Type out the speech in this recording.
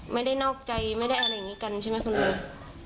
ไม่ได้นอกใจไม่ได้อะไรอย่างนี้กันใช่ไหมคุณลุง